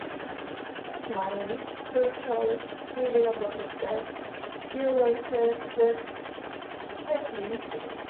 Meanwhile, Sir Charles, reading about the theft, realizes he has been framed.